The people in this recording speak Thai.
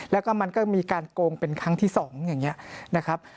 แล้วก็มันก็มีการโกงเป็นครั้งที่๒อย่างนี้นะครับ